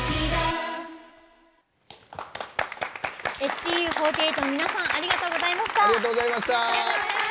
ＳＴＵ４８ の皆さんありがとうございました。